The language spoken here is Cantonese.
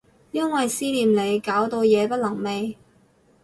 因為思念你搞到夜不能寐